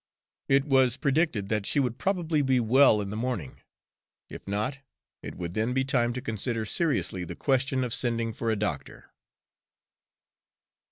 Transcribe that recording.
It was predicted that she would probably be well in the morning; if not, it would then be time to consider seriously the question of sending for a doctor.